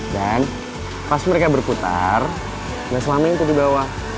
dan pas mereka berputar gak selama itu dibawa